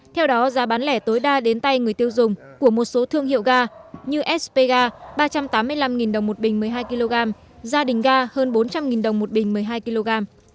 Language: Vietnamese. theo đó giá bán lẻ tối đa đến tay người tiêu dùng của một số thương hiệu ga như spga ba trăm tám mươi năm đồng một bình một mươi hai kg gia đình ga hơn bốn trăm linh đồng một bình một mươi hai kg